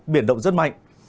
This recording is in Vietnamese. biển động rất mạnh